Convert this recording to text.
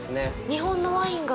日本のワインが？